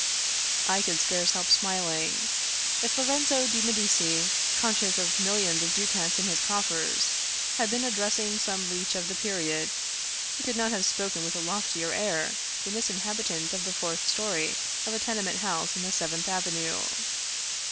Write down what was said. I could scarce help smiling. If Lorenzo de' Medici, con scious of millions of ducats in his coffers, had been ad dressing some leech of the period, he could not have spoken with a loftier air than this inhabitant of the fourth story of a tenement house in the Seventh Avenue.